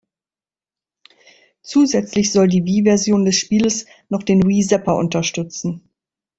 Zusätzlich soll die Wii-Version des Spieles noch den Wii-Zapper unterstützen.